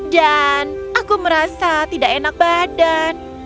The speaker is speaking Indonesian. dan aku merasa tidak enak badan